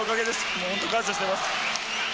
もう本当感謝してます。